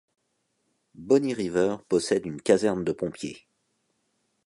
Bonny River possède une caserne de pompiers.